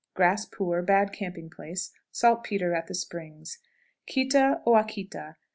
Grass poor; bad camping place; saltpetre at the springs. Quita Oaquita.